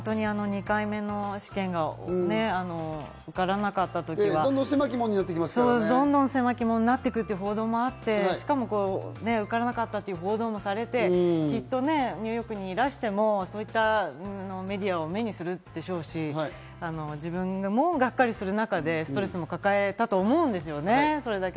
２回目の試験に受からなかったときは、どんどん狭き門になってくって報道もあって、しかも受からなかったという報道もされて、きっとニューヨークにいらしてもそういったメディアを目にするでしょうし、自分もがっかりする中で、ストレスも抱えたと思うんですよね。